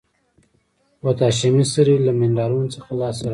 پوتاشیمي سرې له منرالونو څخه لاس ته راوړي.